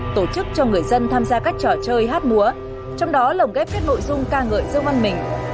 tổ chức cho người dân tham gia các trò chơi hát múa trong đó lồng ghép các nội dung ca ngợi dương văn mình